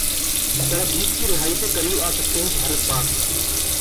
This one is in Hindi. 'सरबजीत की रिहाई से करीब आ सकते हैं भारत, पाक'